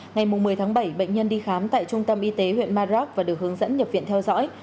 ngày một mươi tháng bảy bệnh nhân đi khám tại trung tâm y tế huyện madrak và được hướng dẫn nhập viện theo dõi